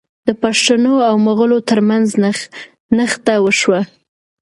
د پښتنو او مغلو ترمنځ نښته وشوه.